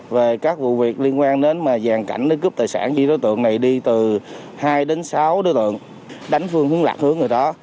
về các vụ việc liên quan đến mà giàn cảnh để cướp tài sản khi đối tượng này đi từ hai đến sáu đối tượng đánh phương hướng lạc hướng người đó